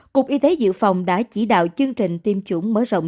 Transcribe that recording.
cục y tế dược phẩm đã chỉ đạo chương trình tiêm chủng mở rộng